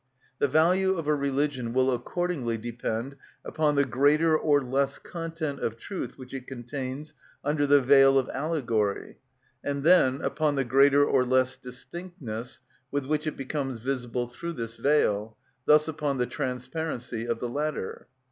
The value of a religion will accordingly depend upon the greater or less content of truth which it contains under the veil of allegory, and then upon the greater or less distinctness with which it becomes visible through this veil, thus upon the transparency of the latter.